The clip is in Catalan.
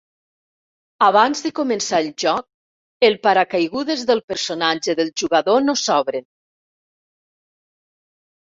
Abans de començar el joc, el paracaigudes del personatge del jugador no s'obre.